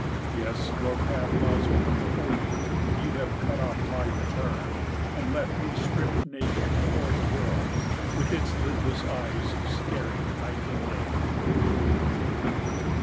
Yes, your path lies open before you, but you have cut off my return, and left me stripped naked before the world with its lidless eyes staring night and day.